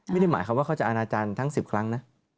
ไม่ได้หมายความว่าเขาจะอาณาจารย์ทั้ง๑๐ครั้งนะ